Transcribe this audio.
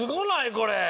これ。